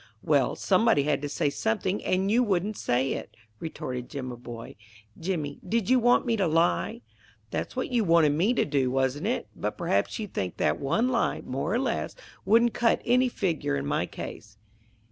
"Well, somebody had to say something, and you wouldn't say it," retorted Jimaboy. "Jimmy, did you want me to lie?" "That's what you wanted me to do, wasn't it? But perhaps you think that one lie, more or less, wouldn't cut any figure in my case."